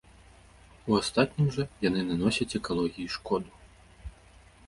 У астатнім жа яны наносяць экалогіі шкоду.